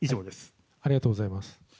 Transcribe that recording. ありがとうございます。